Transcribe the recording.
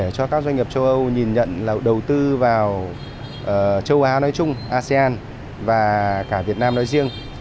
châu á nói chung asean và cả việt nam nói riêng